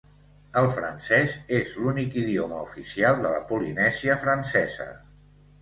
El francès és l'únic idioma oficial de la Polinèsia Francesa.